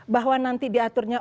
bahwa nanti diaturnya